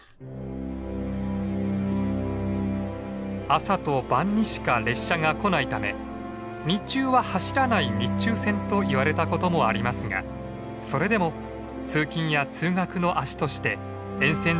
朝と晩にしか列車が来ないため「日中は走らない日中線」といわれたこともありますがそれでも通勤や通学の足として沿線住民の生活を支え続けました。